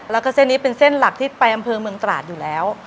แล้วก็เส้นนี้เป็นเส้นหลักที่ไปอำเภอเมืองตราดอยู่แล้ว